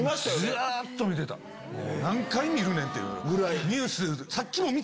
何回見るねん！っていうぐらい。